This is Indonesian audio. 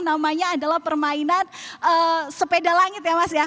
namanya adalah permainan sepeda langit ya